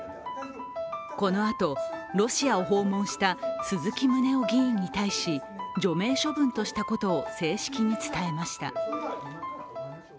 このあとロシアを訪問した鈴木宗男議員に対し除名処分としたことを正式に伝えました。